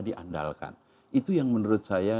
diandalkan itu yang menurut saya